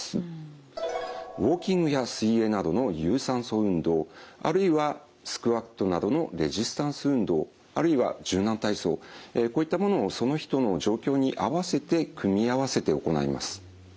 ウォーキングや水泳などの有酸素運動あるいはスクワットなどのレジスタンス運動あるいは柔軟体操こういったものをその人の状況に合わせて組み合わせて行います。